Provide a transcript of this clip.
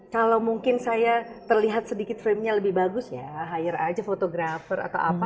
kalau mungkin saya terlihat sedikit framenya lebih bagus ya hire aja fotografer atau apa